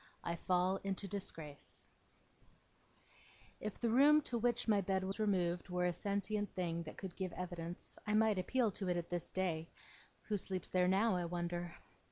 I FALL INTO DISGRACE If the room to which my bed was removed were a sentient thing that could give evidence, I might appeal to it at this day who sleeps there now, I wonder!